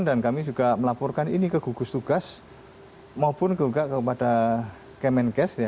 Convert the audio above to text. dan kami juga melaporkan ini ke gugus tugas maupun juga kepada kemenkes